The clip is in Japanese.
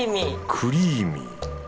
クリーミー